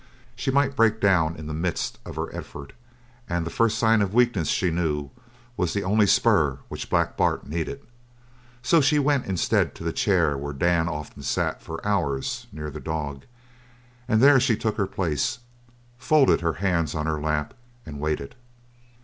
She might break down in the midst of her effort, and the first sign of weakness, she knew, was the only spur which Black Bart needed. So she went, instead, to the chair where Dan often sat for hours near the dog, and there she took her place, folded her hands on her lap, and waited.